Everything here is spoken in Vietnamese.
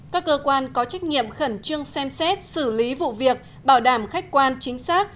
các cơ quan có trách nhiệm khẩn trương xem xét xử lý vụ việc bảo đảm khách quan chính xác